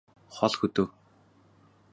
хол хөдөө